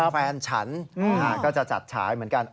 แฟนฉันก็จะจัดฉายเหมือนกัน